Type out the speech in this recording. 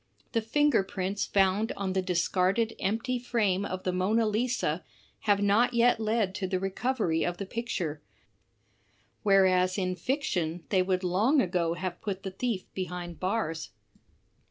The finger prints found on the discarded empty frame of the Mona Lisa have not yet led to the recovery of the picture; whereas in fiction they would long ago have put the thief behind bars.